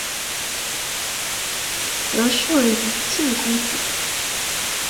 和硕悫靖公主。